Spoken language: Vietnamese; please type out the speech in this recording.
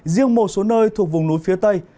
riêng một số nơi thuộc vùng núi phía tây